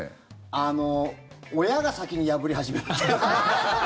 あの親が先に破り始めます。